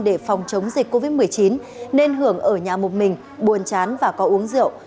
để phòng chống dịch covid một mươi chín nên hưởng ở nhà một mình buồn chán và có uống rượu